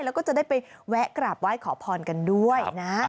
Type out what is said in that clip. แล้วก็จะได้ไปแวะกราบไหว้ขอพรกันด้วยนะ